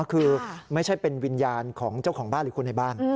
คือไม่ใช่เป็นวิญญาณของเจ้าของบ้านหรือคนในบ้าน